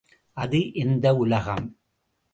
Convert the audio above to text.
அது எந்த உலகம்?